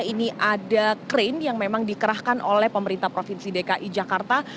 ini ada krain yang memang dikerahkan oleh pemerintah provinsi dki jakarta